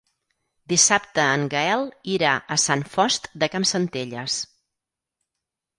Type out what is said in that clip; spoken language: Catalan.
Dissabte en Gaël irà a Sant Fost de Campsentelles.